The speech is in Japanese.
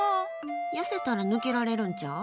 痩せたら抜けられるんちゃう？